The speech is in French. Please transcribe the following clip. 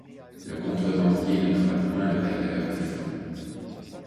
Le contrebandier ne nomma point le bailleur de fonds.